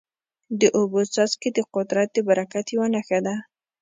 د اوبو څاڅکي د قدرت د برکت یوه نښه ده.